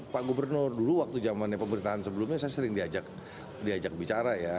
pak gubernur dulu waktu zamannya pemerintahan sebelumnya saya sering diajak bicara ya